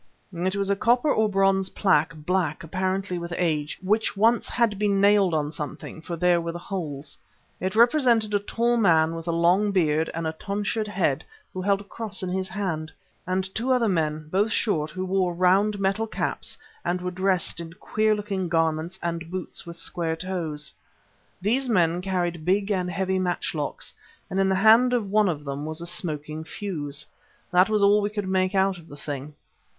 It was a copper or bronze plaque, black, apparently with age, which once had been nailed on something for there were the holes. It represented a tall man with a long beard and a tonsured head who held a cross in his hand; and two other men, both short, who wore round metal caps and were dressed in queer looking garments and boots with square toes. These man carried big and heavy matchlocks, and in the hand of one of them was a smoking fuse. That was all we could make out of the thing.